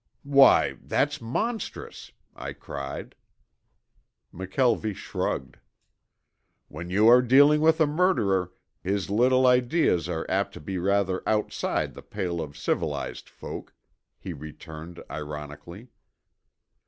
"Why that's monstrous!" I cried. McKelvie shrugged. "When you are dealing with a murderer, his little ideas are apt to be rather outside the pale of civilized folk," he returned ironically.